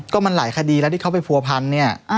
ก็มันหลายคดีแล้วที่เขาไปผัวพันเนี่ย